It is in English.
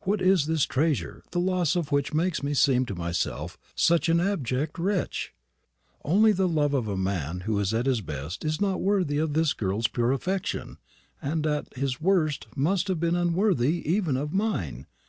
"What is this treasure, the loss of which makes me seem to myself such an abject wretch? Only the love of a man who at his best is not worthy of this girl's pure affection, and at his worst must have been unworthy even of mine.